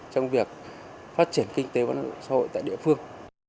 trong việc phát triển kinh tế và nội dung xã hội tại địa phương